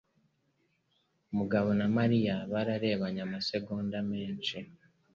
Mugabo na Mariya bararebanye amasegonda menshi.